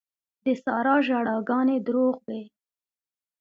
د سارا ژړاګانې دروغ وې.